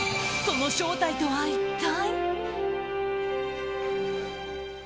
その正体とは一体。